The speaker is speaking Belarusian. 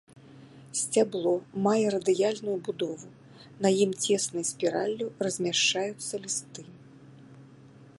Сцябло мае радыяльную будову, на ім цеснай спіраллю размяшчаюцца лісты.